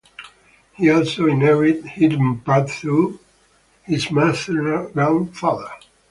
He also inherited Heaton Park through his maternal grandfather.